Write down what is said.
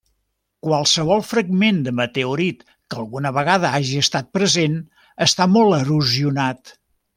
Qualsevol fragment de meteorit que alguna vegada hagi estat present està molt erosionat.